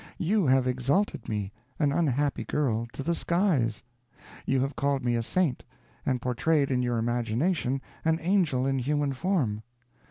You have exalted me, an unhappy girl, to the skies; you have called me a saint, and portrayed in your imagination an angel in human form.